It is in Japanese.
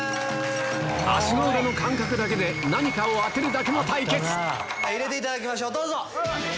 足の裏の感覚だけで何かを当てるだけの対決入れていただきましょうどうぞ。